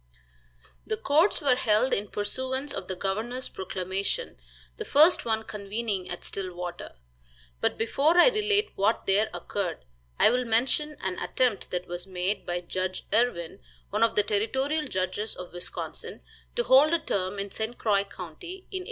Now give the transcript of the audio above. The courts were held in pursuance of the governor's proclamation, the first one convening at Stillwater. But before I relate what there occurred, I will mention an attempt that was made by Judge Irwin, one of the territorial judges of Wisconsin, to hold a term in St. Croix county, in 1842.